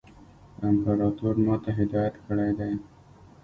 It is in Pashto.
امپراطور ما ته هدایت کړی دی.